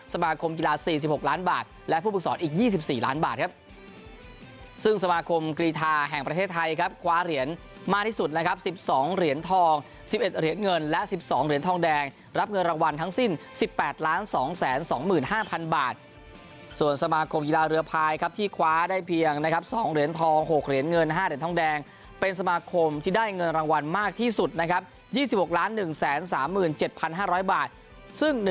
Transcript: สมาคมกีฬา๔๖ล้านบาทและผู้ปกศรอีก๒๔ล้านบาทครับซึ่งสมาคมกรีธาแห่งประเทศไทยครับคว้าเหรียญมากที่สุดนะครับ๑๒เหรียญทอง๑๑เหรียญเงินและ๑๒เหรียญทองแดงรับเงินรางวัลทั้งสิ้น๑๘๒๒๕๐๐๐บาทส่วนสมาคมกีฬาเรือพายครับที่คว้าได้เพียงนะครับ๒เหรียญทอง๖เหรียญเงิน๕เหรียญทองแดงเป็นสมาคมที่ได้เงินรางวัลมากที่สุดนะครับ๒๖๑๓๗๕๐๐บาทซึ่ง๑